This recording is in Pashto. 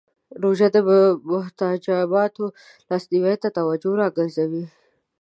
روژه د محتاجانو لاسنیوی ته توجه راګرځوي.